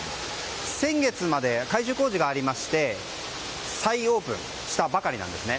先月まで改修工事がありまして再オープンしたばかりなんですね。